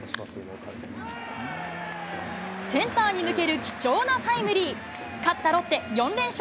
センターに抜ける貴重なタイムリー。